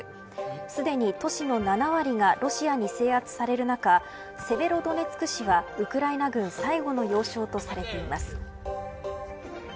すでに都市の７割がロシアに制圧される中セベロドネツク市がウクライナ軍最後の要衝とされています。